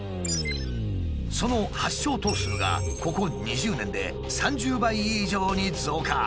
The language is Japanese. その発症頭数がここ２０年で３０倍以上に増加。